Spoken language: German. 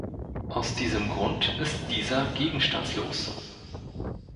Aus diesem Grund ist dieser gegenstandslos.